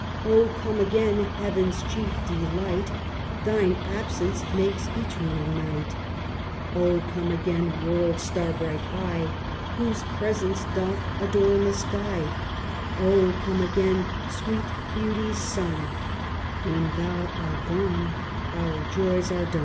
O come again, Heaven's chief delight, Thine absence makes eternal night ; O come again world's star bright eye, Whose presence doth adorn the sky ; O come again, sweet beauty's sun ; When thou art gone, our joys are done.